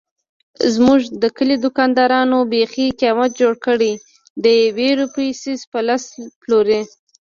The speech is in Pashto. زموږ د کلي دوکاندارانو بیخي قیامت جوړ کړی دیوې روپۍ څيز په لس پلوري.